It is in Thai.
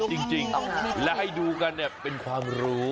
มันต้อง๑๐๐จริงและให้ดูกันนี่เป็นความรู้